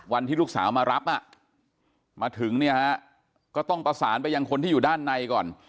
วันที่ลูกสาวมารับมาถึงเนี่ยฮะก็ต้องประสานไปยังคนที่อยู่ด้านในก่อน